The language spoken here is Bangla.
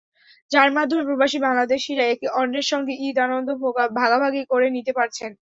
যার মাধ্যমে প্রবাসী বাংলাদেশিরা একে অন্যের সঙ্গে ঈদ-আনন্দ ভাগাভাগি করে নিতে পারছেন।